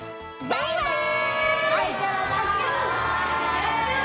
バイバイ！